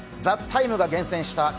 「ＴＨＥＴＩＭＥ，」が厳選した